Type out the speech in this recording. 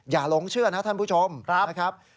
หลงเชื่อนะท่านผู้ชมนะครับ